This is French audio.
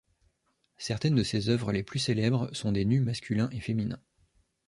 Certaines de ses œuvres les plus célèbres sont des nus masculins et féminins.